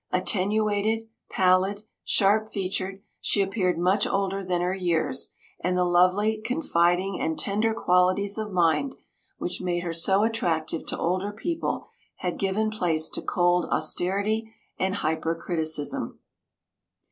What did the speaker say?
Attenuated, pallid, sharp featured, she appeared much older than her years, and the lovely, confiding and tender qualities of mind, which made her so attractive to older people, had given place to cold austerity and hypercriticism.